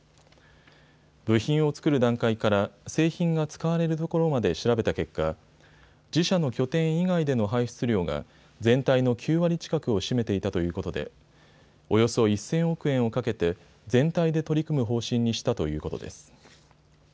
部品を作る段階から製品が使われるところまで調べた結果、自社の拠点以外での排出量が全体の９割近くを占めていたということでおよそ１０００億円をかけて全体で取り組む方針にしたということです。